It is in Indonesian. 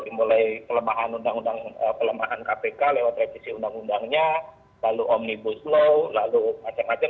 mulai kelemahan kpk lewat revisi undang undangnya lalu omnibus law lalu macam macam